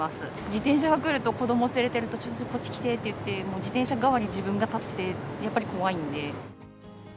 自転車が来ると、子ども連れてると、ちょっとこっちに来てって言って、自転車側に自分が立って、やっぱり怖いんで。